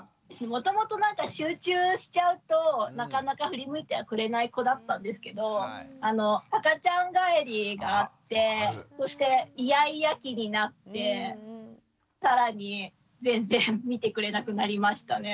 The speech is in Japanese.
もともと集中しちゃうとなかなか振り向いてはくれない子だったんですけど赤ちゃん返りがあってそしてイヤイヤ期になって更に全然見てくれなくなりましたね。